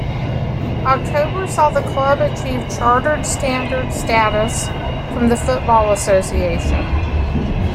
October saw the club achieve Chartered Standard status from the Football Association.